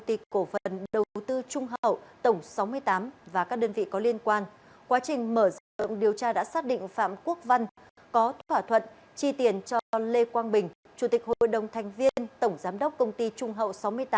tỉnh phạm quốc văn có thỏa thuận chi tiền cho lê quang bình chủ tịch hội đồng thành viên tổng giám đốc công ty trung hậu sáu mươi tám